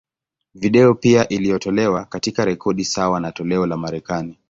Video pia iliyotolewa, katika rekodi sawa na toleo la Marekani.